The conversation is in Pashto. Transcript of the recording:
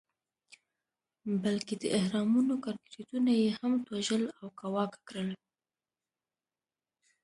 بلکې د اهرامونو کانکریټونه یې هم توږل او کاواکه کړل.